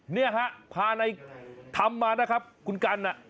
เนี่ยฮะพาในธรรมมานะครับคุณกัน